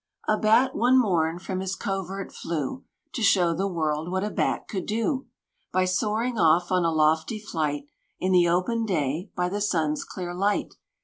A Bat one morn from his covert flew, To show the world what a Bat could do, By soaring off on a lofty flight, In the open day, by the sun's clear light!